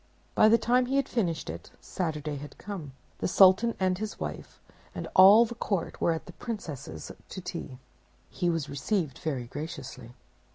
By the time he had finished it Saturday had come. The Sultan and his wife and all the court were at the 'Princess's to tea. He was received very graciously.